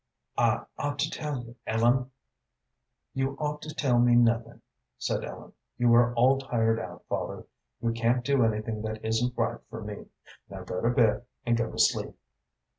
"I ought to tell you, Ellen!" "You ought to tell me nothing," said Ellen. "You are all tired out, father. You can't do anything that isn't right for me. Now go to bed and go to sleep."